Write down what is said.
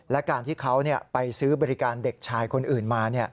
และการที่เขาไปซื้อบริการเด็กชายคนอื่นมา